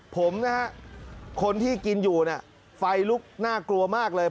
ผมนะฮะคนที่กินอยู่น่ะไฟลุกน่ากลัวมากเลย